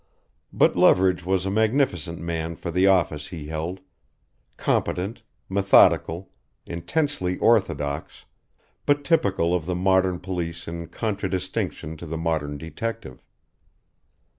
But Leverage was a magnificent man for the office he held: competent, methodical, intensely orthodox but typical of the modern police in contradistinction to the modern detective.